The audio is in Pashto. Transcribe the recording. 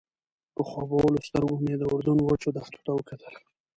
په خوبولو سترګو مې د اردن وچو دښتو ته وکتل.